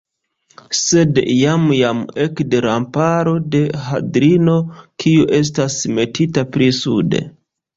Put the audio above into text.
Sed iam jam ekde remparo de Hadriano, kiu estas metita pli sude.